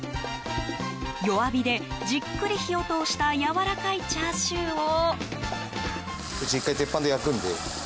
弱火で、じっくり火を通したやわらかいチャーシューを。